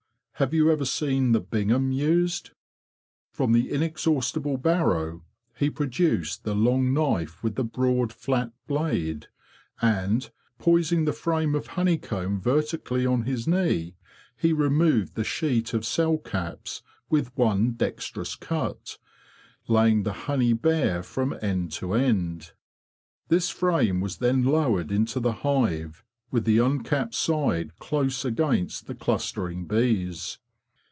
Have you ever seen the Bingham used? '' From the inexhaustible barrow he produced the long knife with the broad, flat blade; and, poising the frame of honeycomb vertically on his knee, he removed the sheet of cell caps with one dexterous cut, laying the honey bare from end to end. This frame was then lowered into the hive with the uncapped side close against the clustering bees.